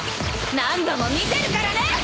何度も見てるからね！